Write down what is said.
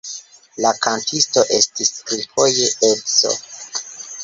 La kantisto estis trifoje edzo.